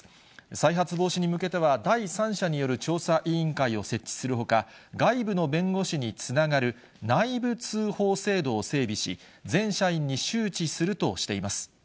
再発防止に向けては、第三者による調査委員会を設置するほか、外部の弁護士につながる内部通報制度を整備し、全社員に周知するとしています。